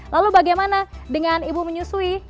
lalu bagaimana dengan ibu menyusui